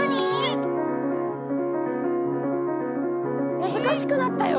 むずかしくなったよ！